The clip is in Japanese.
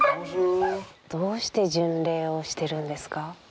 どうして巡礼をしてるんですか？